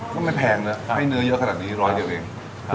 ก็ไม่แพงนะให้เนื้อเยอะขนาดนี้ร้อยเดียวเอง